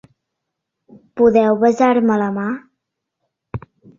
Podeu besar-me la mà.